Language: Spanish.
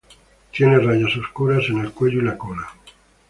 Tiene rayas oscuras en el cuello y la cola.